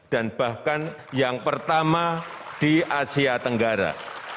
dan bahkan yang pertama di asia tenggara